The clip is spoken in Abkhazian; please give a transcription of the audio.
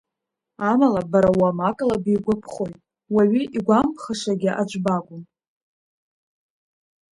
Амала бара уамакала бигәаԥхоит, уаҩы игәамԥхашагьы аӡә бакәым.